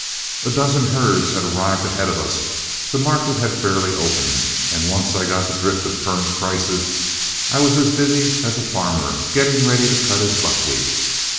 A dozen herds had arrived ahead of us, the market had fairly opened, and, once I got the drift of current prices, I was as busy as a farmer getting ready to cut his buckwheat.